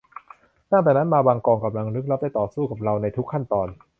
ตั้งแต่นั้นมาบางกองกำลังลึกลับได้ต่อสู้กับเราในทุกขั้นตอน